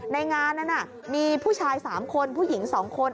ในงานนั้นมีผู้ชาย๓คนผู้หญิง๒คน